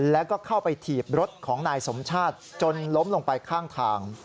แล้วก็เข้าไปถีบรถของนายสมชาติจนล้มลงไปข้างทาง